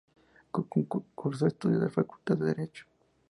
Cursó estudios en la Facultad de Derecho.